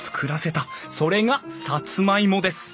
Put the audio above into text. それがサツマイモです。